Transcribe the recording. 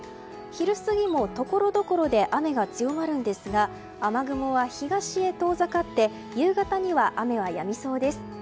昼過ぎもところどころで雨が強まるんですが雨雲は東へ遠ざかって夕方には雨はやみそうです。